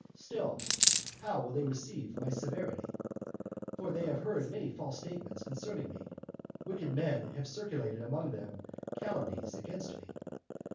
Still, how will they receive my severity? For they have heard many false statements concerning me; wicked men have circulated among them many calumnies against me.